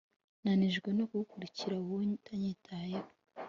Nanijwe no kugukurikira wowe utanyitayeho